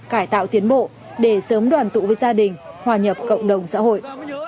cải tạo tiến bộ để sớm đoàn tụ với gia đình hòa nhập cộng đồng xã hội